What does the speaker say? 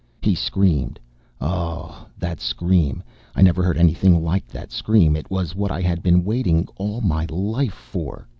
He screamed. Oh, that scream! I never heard anything like that scream. It was what I had been waiting all my life for.